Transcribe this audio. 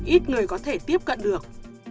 ít người có thể tiếp cận được